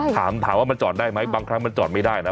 ถามว่ามันจอดได้ไหมบางครั้งมันจอดไม่ได้นะ